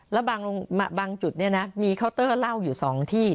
แล้วบางจุดเนี่ยนะมีเคาน์เตอร์เหล้าอยู่๒ที่